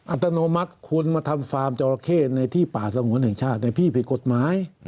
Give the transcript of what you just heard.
อัตโนมัติคุณมาทำฟาร์มจอราเข้ในที่ป่าสงวนแห่งชาติแต่พี่ผิดกฎหมาย